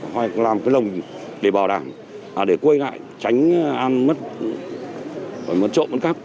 hay làm cái lồng để bảo đảm để quay lại tránh ăn mất mất trộm mất các